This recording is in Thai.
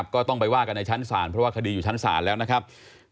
ก็ต้องไปว่ากันในชั้นศาลเพราะว่าคดีอยู่ชั้นศาลแล้วนะครับ